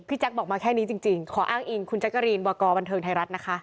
แจ๊คบอกมาแค่นี้จริงขออ้างอิงคุณแจ๊กกะรีนวากรบันเทิงไทยรัฐนะคะ